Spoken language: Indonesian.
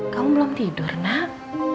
kamu belum tidur nak